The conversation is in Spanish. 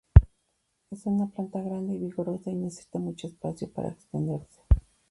Es una planta grande y vigorosa y necesita mucho espacio para extenderse.